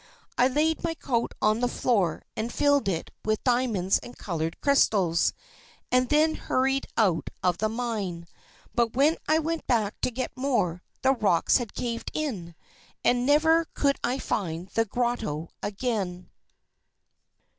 I laid my coat on the floor, and filled it with diamonds and coloured crystals, and then hurried out of the mine. But when I went back to get some more, the rocks had caved in, and I never could find the grotto again.